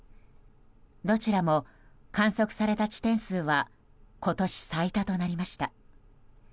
どちらも観測された地点数は今年最多となりました。